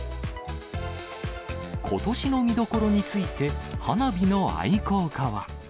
ことしの見どころについて、花火の愛好家は。